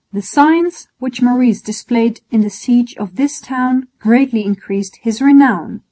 The science which Maurice displayed in the siege of this town greatly increased his renown.